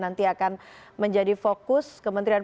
nanti akan menjadi fokus kementerian